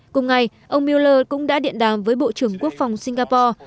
cùng ngày ông mueller cũng đã điện đàm với bộ trưởng quốc phòng singapore